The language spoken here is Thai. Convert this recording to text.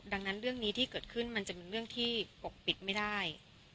ดังนั้นเรื่องนี้ที่เกิดขึ้นมันจะเป็นเรื่องที่ปกปิดไม่ได้